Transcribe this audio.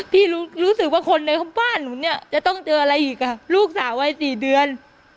พี่รู้สึกว่าคนในบ้านหนูเนี่ยจะต้องเจออะไรอีกอ่ะลูกสาววัย๔เดือน